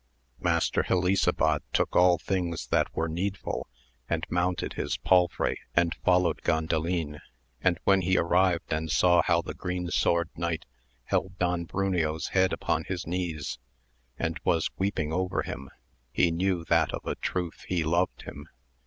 Master Helisabad took all things that were needful and mounted his palfrey and followed Gandalin, and when he arrived and saw how the Green Sword Knight held Don Bruneo's head upon his knees, and was weeping over him, he knew that of a truth he loved him.